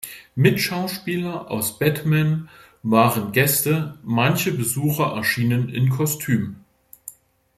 Mit-Schauspieler aus Batman waren Gäste, manche Besucher erschienen in Kostümen.